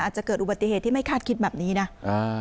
อาจจะเกิดอุบัติเหตุที่ไม่คาดคิดแบบนี้นะอ่า